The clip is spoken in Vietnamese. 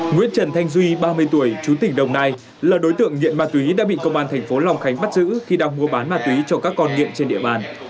nguyễn trần thanh duy ba mươi tuổi chú tỉnh đồng nai là đối tượng nghiện ma túy đã bị công an thành phố long khánh bắt giữ khi đang mua bán ma túy cho các con nghiện trên địa bàn